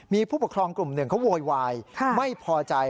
มีผู้ปกครองกลุ่มหนึ่งเขาโวยวายไม่พอใจ